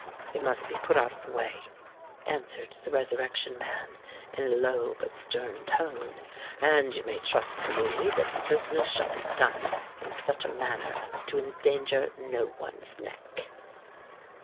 "It must be put out of the way," answered the Resurrection Man, in a low, but stern tone; "and you may trust to me that the business shall be done in such a manner as to endanger no one's neck."